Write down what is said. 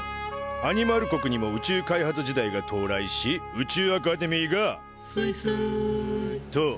アニマル国にも宇宙開発時代が到来し宇宙アカデミーが「すいすい」と誕生。